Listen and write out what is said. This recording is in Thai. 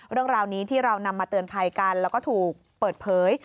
เรื่องราวนี้ที่เรานำมาเตือนภัยกันแล้วก็ถูกเปิดเผย